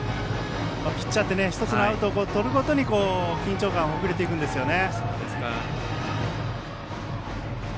ピッチャーって１つのアウトをとるごとに緊張感がほぐれていくんですよね。